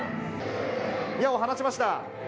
矢を放ちました！